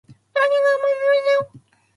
そのニュースはもう見ましたよ。